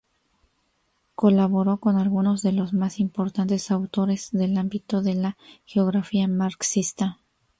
Colaboró con algunos de los más importantes autores del ámbito de la geografía marxista.